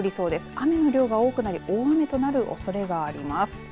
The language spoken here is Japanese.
雨の量が多くなり大雨となるおそれがあります。